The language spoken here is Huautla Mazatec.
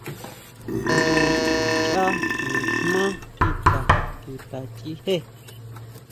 Jngu cháʼ nijmá kika chuta chijé.